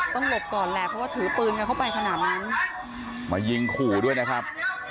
หลบก่อนแหละเพราะว่าถือปืนกันเข้าไปขนาดนั้นมายิงขู่ด้วยนะครับ